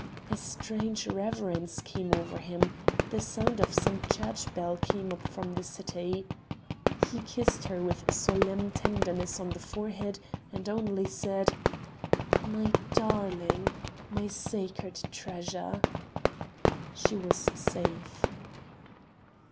A strange reverence came over him; the sound of some church bell came up from the city. He kissed her with solemn tenderness on the forehead and only said: "My darling, my sacred treasure!" She was safe.